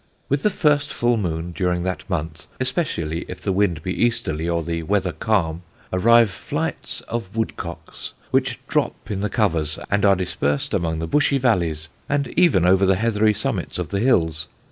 With the first full moon during that month, especially if the wind be easterly or the weather calm, arrive flights of woodcocks, which drop in the covers, and are dispersed among the bushy valleys, and even over the heathery summits of the hills.